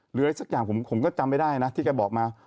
หรืออะไรสักอย่างผมก็จำไม่ได้นะที่แกบอกมา